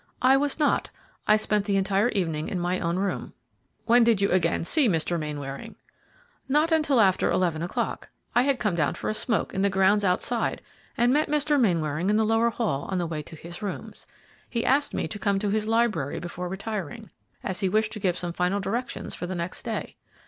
"I was not. I spent the entire evening in my own room." "When did you again see Mr. Mainwaring?" "Not until after eleven o'clock. I had come down for a smoke in the grounds outside and met Mr. Mainwaring in the lower hall on the way to his rooms. He asked me to come to his library before retiring, as he wished to give some final directions for the next day.